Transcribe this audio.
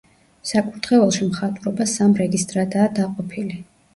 საკურთხეველში მხატვრობა სამ რეგისტრადაა დაყოფილი.